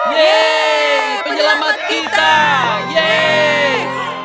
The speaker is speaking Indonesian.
yeay penyelamat kita yeay